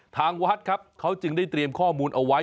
ทางวัดครับเขาจึงได้เตรียมข้อมูลเอาไว้